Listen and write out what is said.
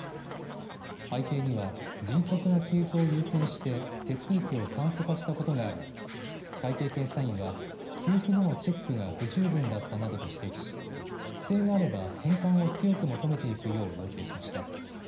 背景には迅速な給付を優先して手続きを簡素化したことがあり会計検査院は給付後のチェックが不十分だったなどと指摘し不正があれば返還を強く求めていくよう要請しました。